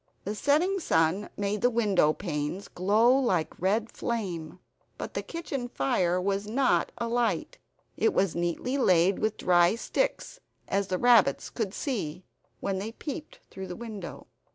The setting sun made the window panes glow like red flame; but the kitchen fire was not alight. It was neatly laid with dry sticks, as the rabbits could see, when they peeped through the window.